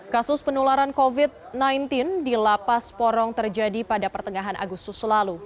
kasus penularan covid sembilan belas di lapas porong terjadi pada pertengahan agustus lalu